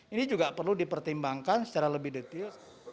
ini juga perlu dipertimbangkan secara lebih detail